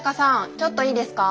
ちょっといいですか？